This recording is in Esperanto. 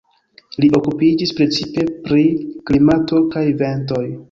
Li okupiĝis precipe pri klimato kaj ventoj.